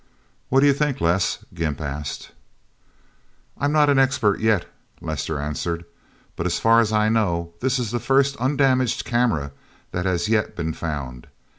"What do you think, Les?" Gimp asked. "I'm not an expert, yet," Lester answered. "But as far as I know, this is the first undamaged camera that has yet been found.